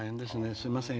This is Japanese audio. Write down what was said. すいません